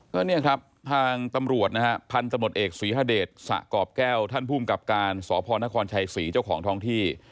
ก็เนี่ยครับทางตำรวจนะฮะพันธมตเอกศรีฮเดชสะกรอบแก้วท่านภูมิกับการสพนครชัยศรีเจ้าของท้องที่